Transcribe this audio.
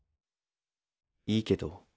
いいけど。